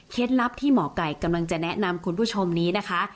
ลับที่หมอไก่กำลังจะแนะนำคุณผู้ชมนี้นะคะ